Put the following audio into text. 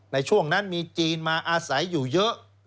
ในช่วงนั้นมีจีนมาอาศัยอยู่เยอะ